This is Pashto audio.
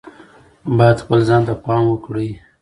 باید خپل ځان ته پام وکړي.